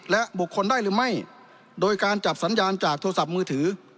และบุคคลได้หรือไม่โดยการจับสัญญาณจากโทรศัพท์มือถือ